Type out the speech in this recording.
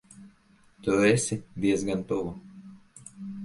Tu esi diezgan tuvu.